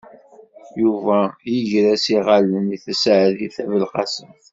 Yuba iger-as iɣallen i Taseɛdit Tabelqasemt.